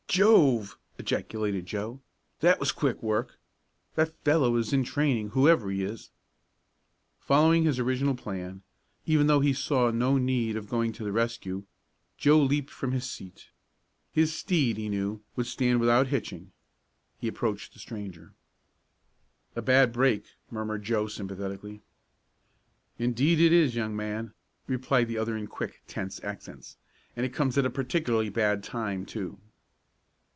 "Jove!" ejaculated Joe. "That was quick work. That fellow is in training, whoever he is." Following his original plan, even though he saw no need of going to the rescue, Joe leaped from his seat. His steed, he knew, would stand without hitching. He approached the stranger. "A bad break," murmured Joe sympathetically. "Indeed it is, young man," replied the other in quick, tense accents. "And it comes at a particularly bad time, too."